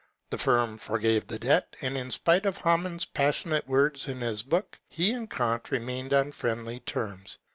The firm forgave the debt ; and in spite of Hamann's passionate words in his book, he and Kant remained on friendly terms.